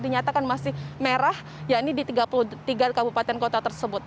dinyatakan masih merah yakni di tiga puluh tiga kabupaten kota tersebut